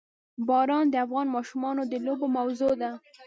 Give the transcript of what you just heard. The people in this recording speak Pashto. باران د افغان ماشومانو د لوبو موضوع ده.